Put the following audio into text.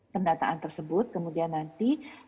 pendataan tersebut kemudian nanti